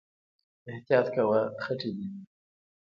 احتياط کوه، خټې دي